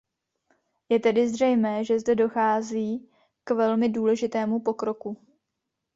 Je tedy zřejmé, že zde dochází k velmi důležitému pokroku.